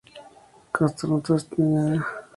Catastro de Ensenada.